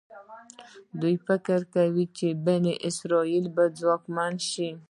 دوی فکر وکړ چې بني اسرایل به ځواکمن شي.